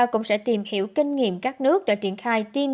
cũng sẽ tìm hiểu kinh nghiệm các nước đã triển khai tiêm